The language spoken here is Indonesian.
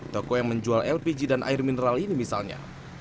toko yang menjual lpg dan air mineral ini misalnya